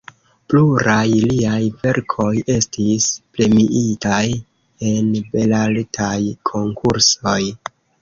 Pluraj liaj verkoj estis premiitaj en Belartaj Konkursoj.